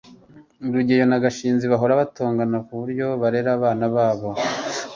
rugeyo na gashinzi bahora batongana kuburyo barera abana babo